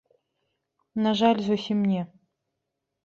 На жаль, зусім не.